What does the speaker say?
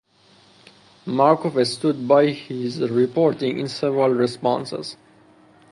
Markoff stood by his reporting in several responses.